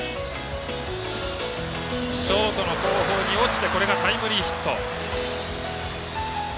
ショートの後方に落ちてこれがタイムリーヒット。